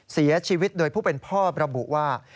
เสียชีวิตโดยผู้เป็นพ่อระบุว่า